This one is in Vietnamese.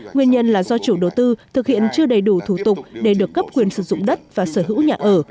nguyên nhân là do chủ đầu tư thực hiện chưa đầy đủ thủ tục để được cấp quyền sử dụng đất và sở hữu nhà ở